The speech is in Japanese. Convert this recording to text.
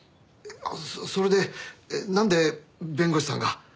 それでなんで弁護士さんが？